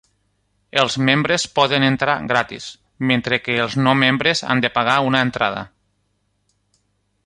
Els membres poden entrar gratis, mentre que els no membres han de pagar una entrada.